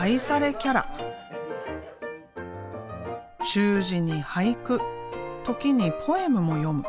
習字に俳句時にポエムも詠む。